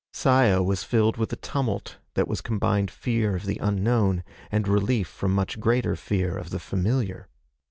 Saya was filled with a tumult that was combined fear of the unknown and relief from much greater fear of the familiar